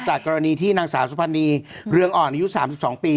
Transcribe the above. จากกรณีที่นางศาสุพรรณีเรืองออกในยุคสามสิบสองปี